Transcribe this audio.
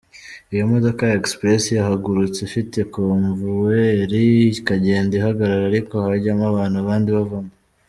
Iyi modoka ya express yahagurutse ifite convuwayeri ikagenda ihagarara ariko hajyamo abantu abandi bavamo.